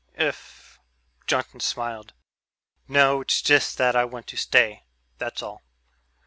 if ..." Johnson smiled. "No, it's just that I want to stay that's all."